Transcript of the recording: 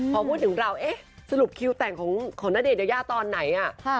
พอพูดถึงเราเอ๊ะสรุปคิวแต่งของณเดชนยายาตอนไหน